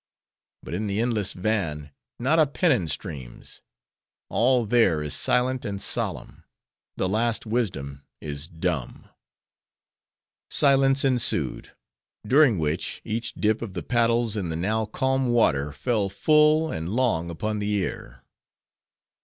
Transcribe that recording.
'— but in the endless van, not a pennon streams; all there, is silent and solemn. The last wisdom is dumb." Silence ensued; during which, each dip of the paddles in the now calm water, fell full and long upon the ear.